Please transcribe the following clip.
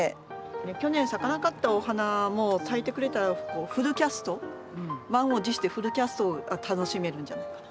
去年咲かなかったお花も咲いてくれたらフルキャスト満を持してフルキャストが楽しめるんじゃないかな。